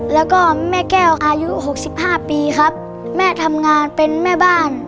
แล้วก็แม่แก้วอายุหกสิบห้าปีครับแม่ทำงานเป็นแม่บ้าน